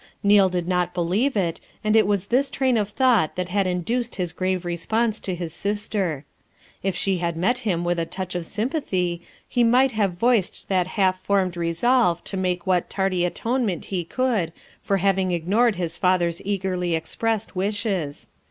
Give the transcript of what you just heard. Neal did not believe it, and it was this 'train of thought that had induced his grave response to his sister. If she had met him with a touch of sympathy he might have voiced the half formed resolve to make what tardy atonement he could for having ignored his father's eagerly expressed wishes.